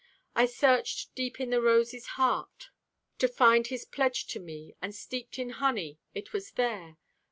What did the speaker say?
I searched deep in the rose's heart to find His pledge to me, and steeped in honey, it was there.